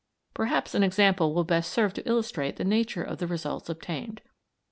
Perhaps an example will best serve to illustrate the nature of the results obtained.